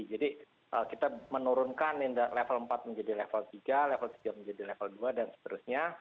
jadi kita menurunkan level empat menjadi level tiga level tiga menjadi level dua dan seterusnya